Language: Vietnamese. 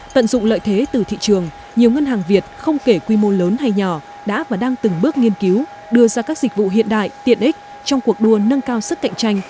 tận dụng lợi thế từ thị trường nhiều ngân hàng việt không kể quy mô lớn hay nhỏ đã và đang từng bước nghiên cứu đưa ra các dịch vụ hiện đại tiện ích trong cuộc đua nâng cao sức cạnh tranh